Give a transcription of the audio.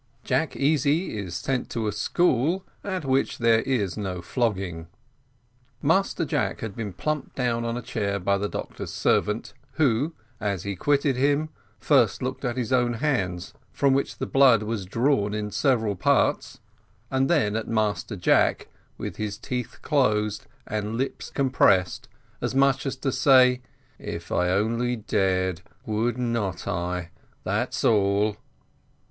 JACK EASY IS SENT TO A SCHOOL AT WHICH THERE IS NO FLOGGING. Master Jack had been plumped down in a chair by the doctor's servant, who, as he quitted him, first looked at his own hands, from which the blood was drawn in several parts, and then at Master Jack, with his teeth closed and lips compressed, as much as to say, "If I only dared, would not I, that's all?"